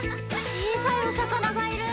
小さいお魚がいる！